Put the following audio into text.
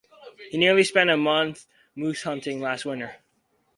I spent nearly a month moose-hunting last winter.